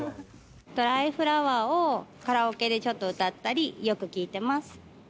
ドライフラワーをカラオケでちょっと歌ったり、よく聴いてます。